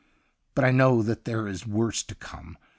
But I know that there is worse to come.